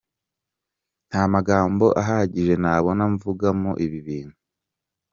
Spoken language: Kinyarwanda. Nta magambo ahagije nabona mvugamo ibi bintu.